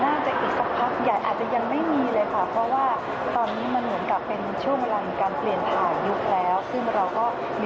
ความสวยไม่เคยได้นะครับสวยมากจริงนะครับยิ่งอยู่ในวงการนานนี่นะครับ